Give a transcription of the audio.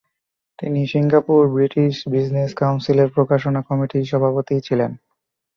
তিনি Singapore British business কাউন্সিলের প্রকাশনা কমিটির সভাপতি ছিলেন।